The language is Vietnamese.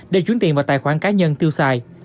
để chuyển tiền vào tài khoản cá nhân tiêu xài